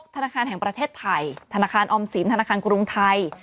ธนาคารแห่งประเทศไทยธนาคารออมสินธนาคารกรุงไทย